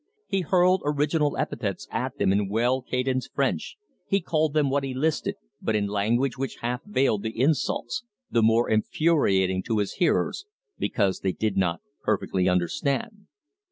He hurled original epithets at them in well cadenced French, he called them what he listed, but in language which half veiled the insults the more infuriating to his hearers because they did not perfectly understand.